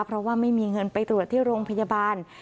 เพราะว่าไม่มีเงินไปตรวจที่โรงพยาบาล